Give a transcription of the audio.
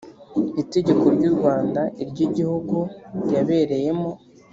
itegeko ry u rwanda iry igihugu yabereyemo